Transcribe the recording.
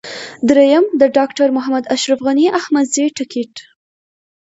درېم: د ډاکټر محمد اشرف غني احمدزي ټکټ.